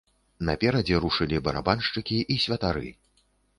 Наперадзе рушылі барабаншчыкі і святары.